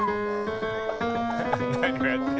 何をやってる。